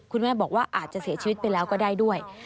คุณแม่บอกว่าอาจจะเสียชีวิตไปแล้วก็ได้ด้วย